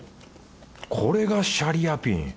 これがシャリアピン。